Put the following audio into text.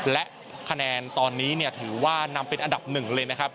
และคะแนนตอนนี้ถือว่านำเป็นอันดับหนึ่งเลยนะครับ